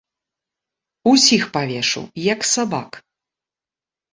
Усіх павешу, як сабак!